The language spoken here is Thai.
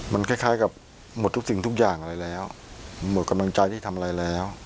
มันคล้ายกับหมดทุกสิ่งทุกอย่างอะไรแล้วหมดกำลังใจที่ทำอะไรแล้ว